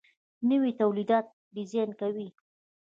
نوي تولیدات ډیزاین کوي.